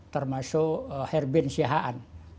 termasuk herbin sihaan